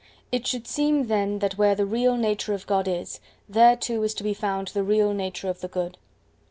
It should seem then that where the real nature of God is, there too is to be found the real nature of the Good.